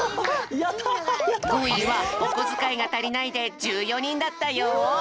５いは「おこづかいがたりない」で１４にんだったよ！